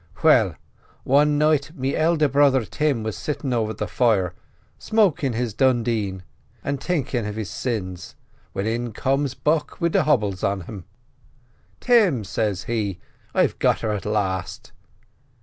Well, one night me elder brother Tim was sittin' over the fire, smokin' his dudeen an' thinkin' of his sins, when in comes Buck with the hobbles on him. "'Tim,' says he, 'I've got her at last!